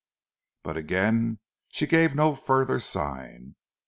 But again she gave no further sign.